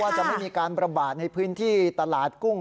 จะไม่มีการประบาดในพื้นที่ตลาดกุ้ง